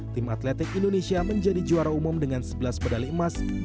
tim atletik indonesia menjadi juara umum dengan sebelas medali emas